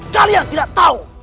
kalian tidak tahu